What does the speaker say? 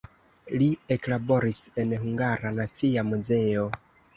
Li eklaboris en Hungara Nacia Muzeo.